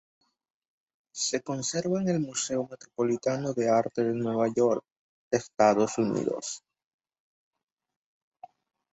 Se conserva en el Museo Metropolitano de Arte de Nueva York, Estados Unidos.